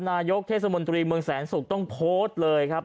นายกเทศมนตรีเมืองแสนศุกร์ต้องโพสต์เลยครับ